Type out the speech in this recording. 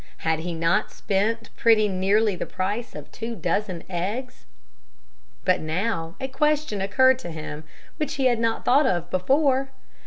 Had he not spent pretty nearly the price of two dozen eggs? But now a question occurred to him which he had not thought of before.